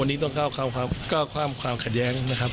วันนี้ต้องเข้าครับก็ความขัดแย้งนะครับ